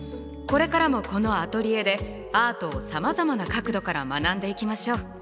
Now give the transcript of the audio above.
これからもこのアトリエでアートをさまざまな角度から学んでいきましょう。